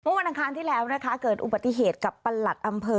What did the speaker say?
มุมบันทางค้านที่แล้วนะค้าเกิดอุบัติเหตุกับปลัดอำเพอ